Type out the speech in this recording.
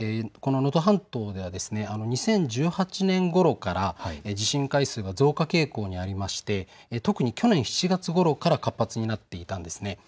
能登半島では２０１８年ごろから地震回数が増加傾向にありまして特に去年７月ごろから活発になっていたんです。